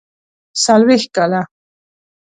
څلوېښت کاله.